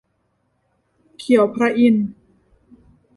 เขียวพระอินทร์